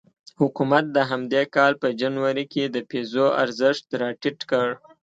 حکومت د همدې کال په جنوري کې د پیزو ارزښت راټیټ کړ.